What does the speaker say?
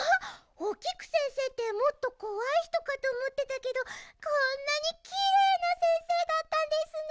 おきくせんせいってもっとこわいひとかとおもってたけどこんなにきれいなせんせいだったんですね！